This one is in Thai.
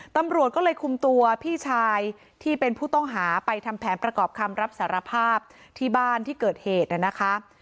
ตำรวจก็เลยคุมตัวพี่ชายที่เป็นผู้ต้องหาไปทำแผนประกอบคำรับสารภาพที่บ้านที่เกิดเหตุนะคะ